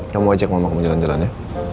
kamu ajak mama kamu jalan jalan ya